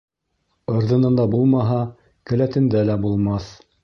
Ырҙынында булмаһа, келәтендә лә булмаҫ.